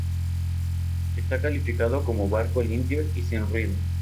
Está calificado como barco limpio y sin ruido.